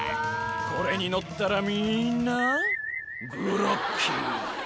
「これに乗ったらみんなグロッキー」